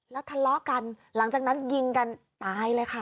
แล้วทะเลาะกันหลังจากนั้นยิงกันตายเลยค่ะ